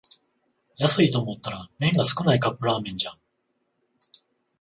安いと思ったら麺が少ないカップラーメンじゃん